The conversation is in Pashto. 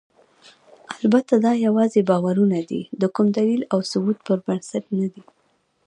البته دا یواځې باورونه دي، د کوم دلیل او ثبوت پر بنسټ نه دي.